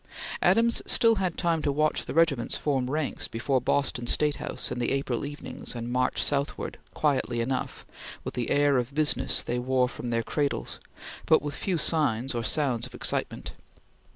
Adams still had time to watch the regiments form ranks before Boston State House in the April evenings and march southward, quietly enough, with the air of business they wore from their cradles, but with few signs or sounds of excitement.